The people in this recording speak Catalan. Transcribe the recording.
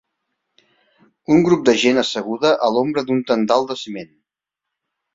Un grup de gent asseguda a l'ombra d'un tendal de ciment.